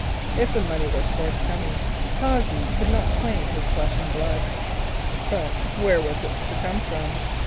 If the money were forthcoming, Cossey could not claim his flesh and blood. But where was it to come from?